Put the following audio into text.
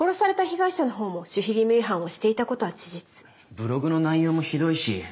ブログの内容もひどいし。